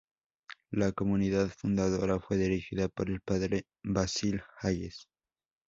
La comunidad fundadora fue dirigida por el padre Basil Hayes.